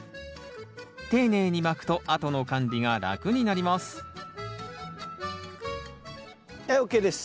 丁寧にまくとあとの管理が楽になりますはいＯＫです。